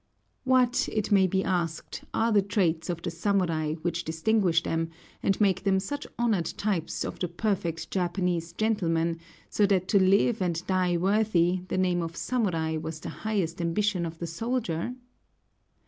What, it may be asked, are the traits of the samurai which distinguish them, and make them such honored types of the perfect Japanese gentleman, so that to live and die worthy the name of samurai was the highest ambition of the soldier?